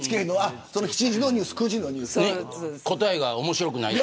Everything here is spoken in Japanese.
７時のニュース答えが面白くない。